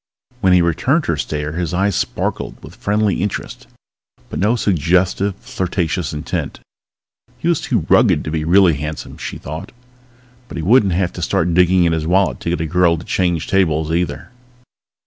When he returned her stare his eyes sparkled with friendly interest, but no suggestive, flirtatious intent. He was too rugged to be really handsome, she thought, but he wouldn't have to start digging in his wallet to get a girl to change tables, either.